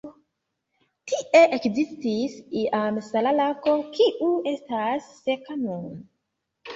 Tie ekzistis iam sala lago, kiu estas seka nun.